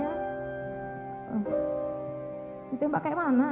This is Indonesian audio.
kak ditembak kayak mana